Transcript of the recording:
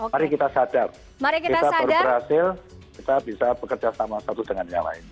mari kita sadar kita baru berhasil kita bisa bekerja sama satu dengan yang lain